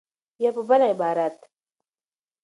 یا په بل عبارت